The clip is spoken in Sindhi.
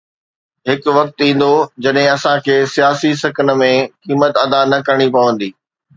هڪ وقت ايندو جڏهن اسان کي سياسي سڪن ۾ قيمت ادا نه ڪرڻي پوندي.